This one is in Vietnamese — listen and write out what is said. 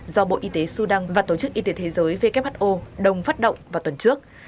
do bộ y tế sudan và tổ chức y tế thế giới who đồng phát động vào tuần trước